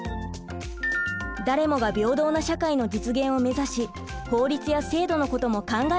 誰もが平等な社会の実現をめざし法律や制度のことも考えていきましょう。